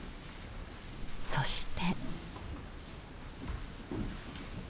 そして。